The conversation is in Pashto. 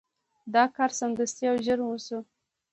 دا کار سمدستي او ژر وشو.